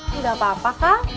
tidak apa apa kang